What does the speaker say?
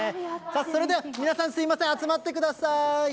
それでは皆さん、すみません、集まってください。